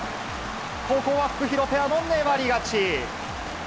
ここはフクヒロペアの粘り勝ち。